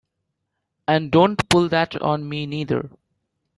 And don't pull that on me neither!